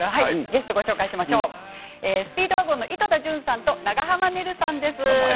スピードワゴンの井戸田潤さんと長濱ねるさんです。